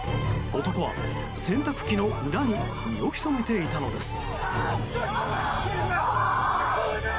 男は洗濯機の裏に身を潜めていたのです。